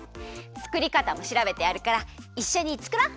つくりかたもしらべてあるからいっしょにつくろう！